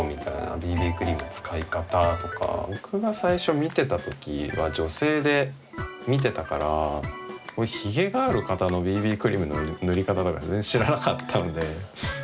クリーム使い方とか僕が最初見てたときは女性で見てたからひげがある方のＢＢクリームの塗り方とか全然知らなかったので。